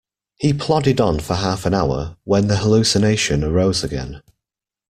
He plodded on for half an hour, when the hallucination arose again.